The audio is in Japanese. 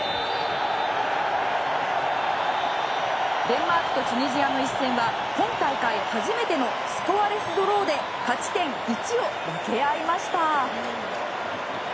デンマークとチュニジアの一戦は今大会初めてのスコアレスドローで勝ち点１を分け合いました。